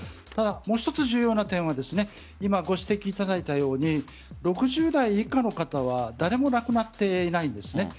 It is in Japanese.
ただ、重要なのはご指摘いただいたように６０代以下の方は誰も亡くなっていないんです。